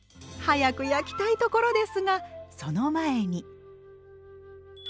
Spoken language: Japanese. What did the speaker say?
早く焼きたいところですがその前に。